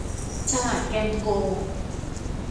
ฉลาดแกมโกง